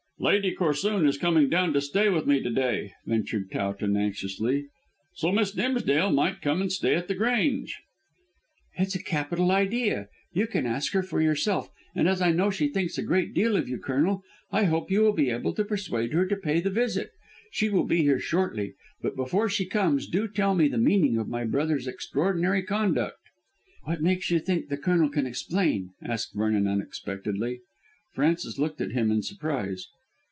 "Lady Corsoon is coming down to stay with me to day," ventured Towton anxiously, "so Miss Dimsdale might come and stay at The Grange." "It's a capital idea. You can ask her for yourself, and as I know she thinks a great deal of you, Colonel, I hope you will be able to persuade her to pay the visit. She will be here shortly, but before she comes do tell me the meaning of my brother's extraordinary conduct." "What makes you think the Colonel can explain?" asked Vernon unexpectedly. Frances looked at him in surprise.